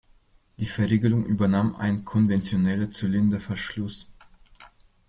Die Verriegelung übernahm ein konventioneller Zylinderverschluss.